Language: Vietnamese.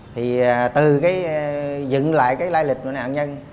thì từ dựng lại cái lai lịch nạn nhân